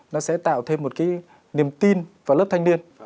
nó sẽ tạo thêm một cái niềm tin vào lớp thanh niên